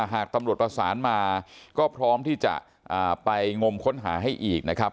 หากตำรวจประสานมาก็พร้อมที่จะไปงมค้นหาให้อีกนะครับ